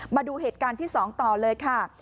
มาดูเหตุการณ์ที่๒ต่อเลยค่ะ